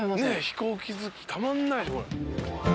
飛行機好きたまんないこれ。